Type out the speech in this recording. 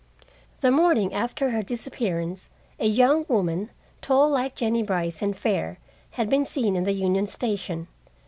The morning after her disappearance a young woman, tall like Jennie Brice and fair, had been seen in the Union Station.